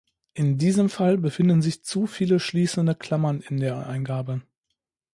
In diesem Fall befinden sich zu viele schließende Klammern in der Eingabe.